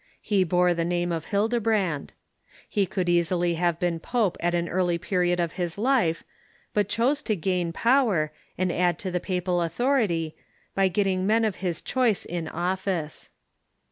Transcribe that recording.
He bore the name of Ilildebrand. Ke could easily have been pope at an early period of his life, but chose to gain power, and add to the papal authority, by getting men of his choice in ofHce.